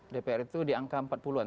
dpr itu di angka empat puluh an